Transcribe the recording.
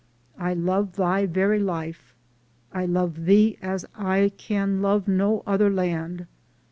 I love Thy very life. I love Thee as I can love no other land.